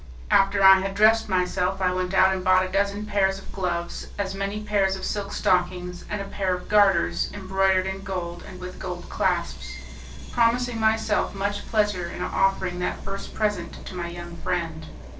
After I had dressed myself, I went out and bought a dozen pairs of gloves, as many pairs of silk stockings, and a pair of garters embroidered in gold and with gold clasps, promising myself much pleasure in offering that first present to my young friend.